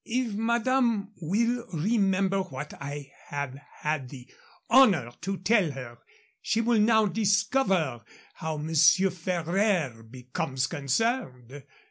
"If madame will remember what I have had the honor to tell her, she will now discover how Monsieur Ferraire becomes concerned."